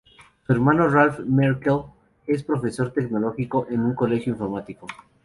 Su hermano Ralph Merkle es profesor tecnológico en un colegio informático.